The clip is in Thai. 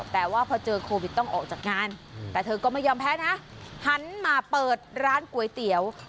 แต่ว่าพอเจอโควิดต้องออกจากงานแต่เธอก็ไม่ยอมแพ้นะหันมาเปิดร้านก๋วยเตี๋ยว